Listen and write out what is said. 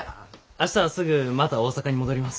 明日はすぐまた大阪に戻ります。